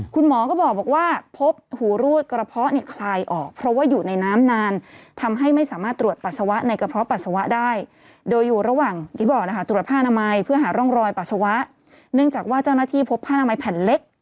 คุณหมอก็บอกว่าพบหูรูดกระเพาะคลายออก